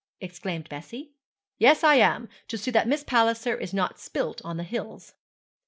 exclaimed Bessie. 'Yes I am, to see that Miss Palliser is not spilt on the hills.'